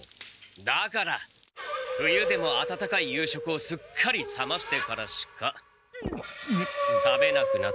だから冬でも温かい夕食をすっかり冷ましてからしか食べなくなった。